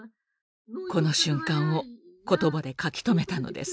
この瞬間を言葉で書き留めたのです。